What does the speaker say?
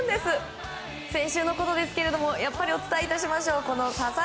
先週のことですがやっぱりお伝えいたしましょう。